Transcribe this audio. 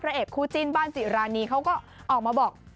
พระเอกครูจินบานจิร้านนี้เขาก็ออกมาบอก